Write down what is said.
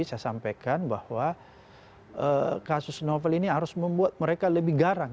saya sampaikan bahwa kasus novel ini harus membuat mereka lebih garang